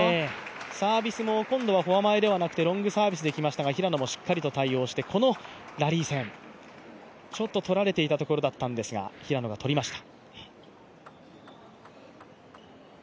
サービスも今回はフォア前ではなくて今度はロングサーブできましたが平野もしっかりと対応してこのラリー戦ちょっと取られていたところだったんですが平野が取りました。